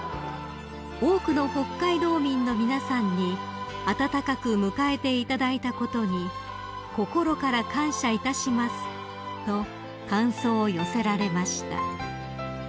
「多くの北海道民の皆さんに温かく迎えていただいたことに心から感謝いたします」と感想を寄せられました］